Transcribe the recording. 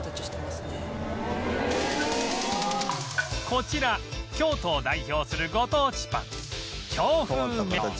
こちら京都を代表するご当地パン京風メロン